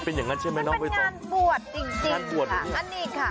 บรรยากาศการแหนักรำหน้าหน้าของเขาสนุกสนานของเขา